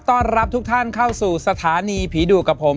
ต้อนรับทุกท่านเข้าสู่สถานีผีดุกับผม